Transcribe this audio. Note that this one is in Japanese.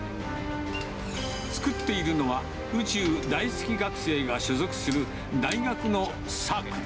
作っているのは、宇宙大好き学生が所属する、大学のサークル。